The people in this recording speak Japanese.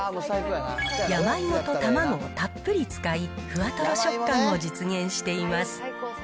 山芋と卵をたっぷり使い、ふわとろ食感を実現しています。